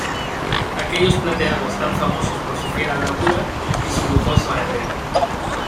¡ aquellos plateados tan famosos por su fiera bravura y su lujoso arreo!